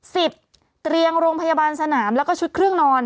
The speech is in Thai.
เตียงโรงพยาบาลสนามแล้วก็ชุดเครื่องนอน